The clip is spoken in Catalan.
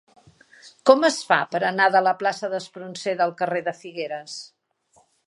Com es fa per anar de la plaça d'Espronceda al carrer de Figueres?